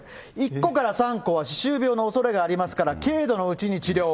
１個から３個は歯周病のおそれがありますから、軽度のうちに治療を。